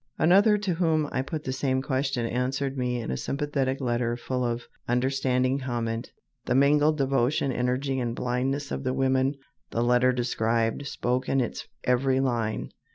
Another to whom I put the same question, answered me in a sympathetic letter full of understanding comment. The mingled devotion, energy, and blindness of the women the letter described, spoke in its every line.